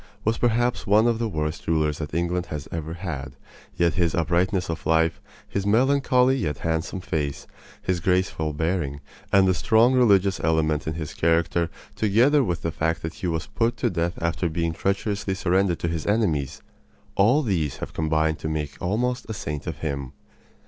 was perhaps one of the worst rulers that England has ever had; yet his uprightness of life, his melancholy yet handsome face, his graceful bearing, and the strong religious element in his character, together with the fact that he was put to death after being treacherously surrendered to his enemies all these have combined to make almost a saint of him.